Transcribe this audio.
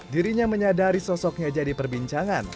dirinya menyadari sosoknya jadi perbincangan